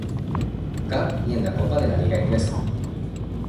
Cup y en la copa de la Liga Inglesa.